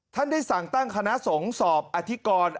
ท่านได้สั่งตั้งคณะส่งสอบอธิกร